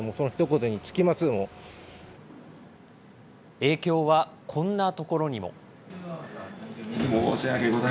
影響はこんなところにも。